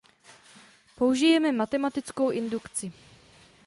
Použijeme matematickou indukci.